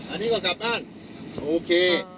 อันนี้ก็กลับบ้านโอเค